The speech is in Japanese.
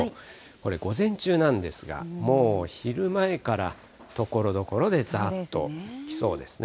これ、午前中なんですが、もう昼前から、ところどころでざーっと来そうですね。